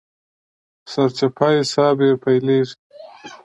سرچپه حساب يې پيلېږي.